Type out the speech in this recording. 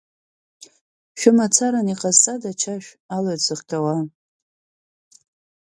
Шәымацаран иҟазҵада ачашә, алҩаҵә зыхҟьауа?